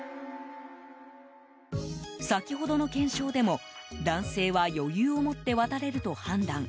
先ほどの検証でも、男性は余裕をもって渡れると判断。